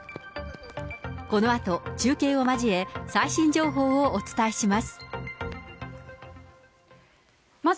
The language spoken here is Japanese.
このあと、中継を交え、最新情報をお伝えします。